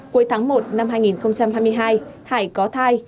cuối tháng một năm hai nghìn hai mươi hai hải có thai